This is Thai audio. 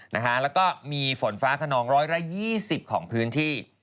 แล้วก็มีฝนฟ้าขนอง๑๒๐ของพื้นที่